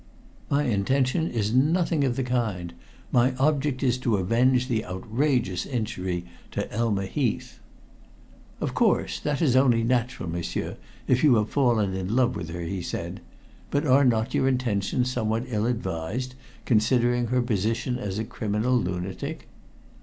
"My intention is nothing of the kind. My object is to avenge the outrageous injury to Elma Heath." "Of course. That is only natural, m'sieur, if you have fallen in love with her," he said. "But are not your intentions somewhat ill advised considering her position as a criminal lunatic?"